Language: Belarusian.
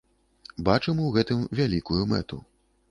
Бачым у гэтым вялікую мэту.